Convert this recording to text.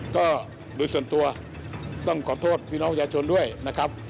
ก็โดยส่วนตัวต้องขอโทษพี่น้องยาชนด้วยนะครับ